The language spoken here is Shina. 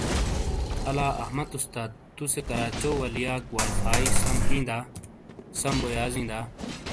الہ احمد استاد تُوسے کراچیو والیاک وائی فائی سَم ہیں دا؟ سم بو یازیں دا؟